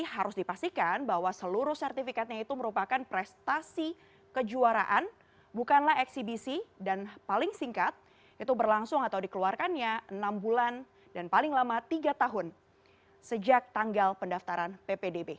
harus dipastikan bahwa seluruh sertifikatnya itu merupakan prestasi kejuaraan bukanlah eksibisi dan paling singkat itu berlangsung atau dikeluarkannya enam bulan dan paling lama tiga tahun sejak tanggal pendaftaran ppdb